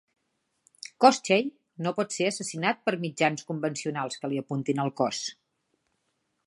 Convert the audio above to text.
Koschei no pot ser assassinat per mitjans convencionals que li apuntin el cos.